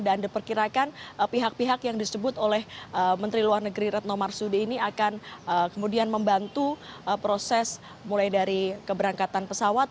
diperkirakan pihak pihak yang disebut oleh menteri luar negeri retno marsudi ini akan kemudian membantu proses mulai dari keberangkatan pesawat